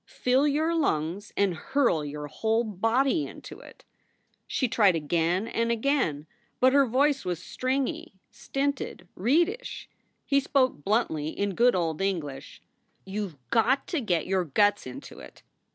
"Fill your lungs and hurl your whole body into it!" She tried again and again, but her voice was stringy, stinted, reedish. He spoke bluntly, in good old English: "You ve got to get your guts into it!"